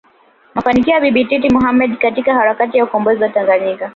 mafanikio ya Bibi Titi Mohamed katika harakati za ukombozi wa Tanganyika